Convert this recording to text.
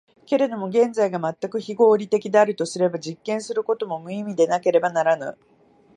けれども現実が全く非合理的であるとすれば、実験することも無意味でなければならぬ。